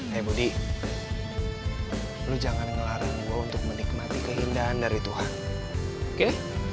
hei budi lo jangan ngelarin gue untuk menikmati keindahan dari tuhan oke